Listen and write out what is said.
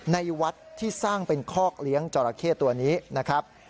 ในวัดที่สร้างเป็นคอกเลี้ยงจราเข้ตัวนี้นะครับ